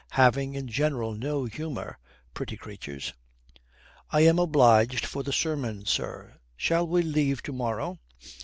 Having, in general, no humour, pretty creatures." "I am obliged for the sermon, sir. Shall we leave to morrow?"